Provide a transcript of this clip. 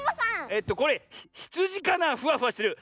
えっとこれひつじかなフワフワしてる。